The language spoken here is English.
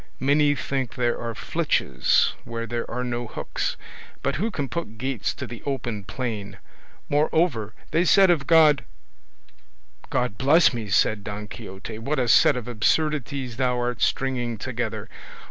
many think there are flitches where there are no hooks; but who can put gates to the open plain? moreover they said of God—" "God bless me," said Don Quixote, "what a set of absurdities thou art stringing together!